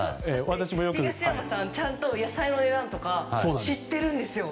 東山さん、ちゃんと野菜の値段とか知っているんですよ。